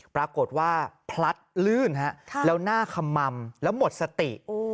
ปรากฏว่าพลัดลื่นฮะแล้วหน้าขม่ำแล้วหมดสติ